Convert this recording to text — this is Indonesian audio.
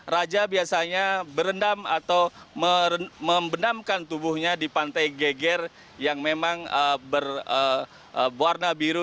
raja biasanya berendam atau membenamkan tubuhnya di pantai geger yang memang berwarna biru